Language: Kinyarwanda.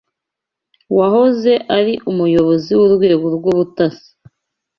wahoze ari umuyobozi w’urwego rw’ubutasi